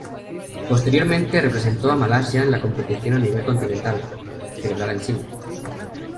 Posteriormente representó a Malasia en la competición a nivel continental, celebrada en China.